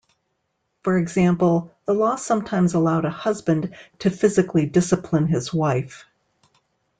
For example, the law sometimes allowed a husband to physically discipline his wife.